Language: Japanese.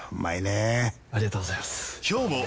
ありがとうございます！